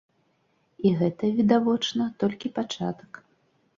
І гэта, відавочна, толькі пачатак.